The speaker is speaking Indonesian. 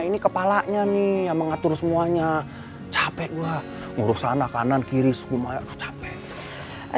ini kepala nya nih mengatur semuanya capek gua ngurus anak kanan kiri semua aduh udah dikembangkan